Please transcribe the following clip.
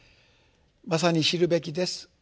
まさに知るべきです。